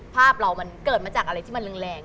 ภาพเรามันเกิดมาจากอะไรที่มันแรง